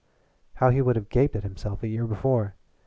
How he would have gaped at himself a year before!